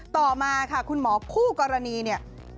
ต่อมาค่ะคุณหมอคู่กรณีเนี่ย